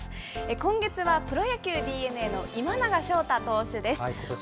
今月はプロ野球・ＤｅＮＡの今永昇太選手です。